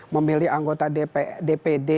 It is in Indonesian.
memilih anggota dpr